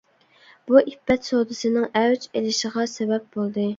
بۇ ئىپپەت سودىسىنىڭ ئەۋج ئېلىشىغا سەۋەب بولدى.